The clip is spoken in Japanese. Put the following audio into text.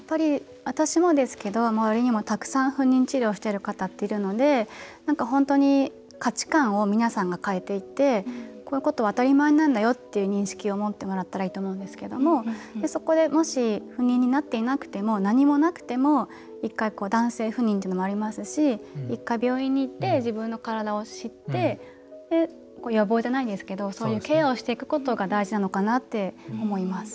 私もですけど周りにもたくさん不妊治療している方っているので価値観を皆さんが変えていってこういうことは当たり前なんだよっていう認識を持ってもらったらいいと思うんですけども、そこでもし不妊になっていなくても何もなくても、１回男性不妊というのもありますし１回、病院に行って自分の体を知って予防じゃないんですけどそういうケアをしていくことが大事なのかなって思います。